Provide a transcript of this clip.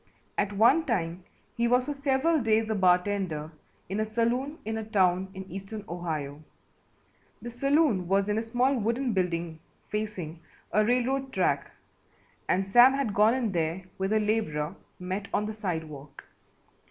At one time he was for several days a bartender in a saloon in a town in eastern Ohio. The saloon was in a small wooden building facing a railroad track and Sam had gone in there with a labourer met on the sidewalk.